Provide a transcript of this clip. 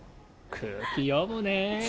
空気読むねぇ。